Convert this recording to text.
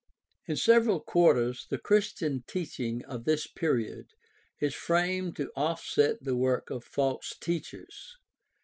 In several quarters the Christian teaching of this period is framed to offset the work of "false teachers."